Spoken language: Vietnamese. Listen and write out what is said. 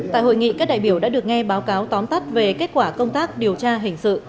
tại hội nghị các đại biểu đã được nghe báo cáo tóm tắt về kết quả công tác điều tra hình sự